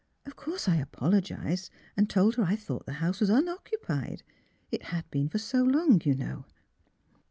Of course I apologise'd and told her I thought the house was unoccupied. It has been for so long, you know."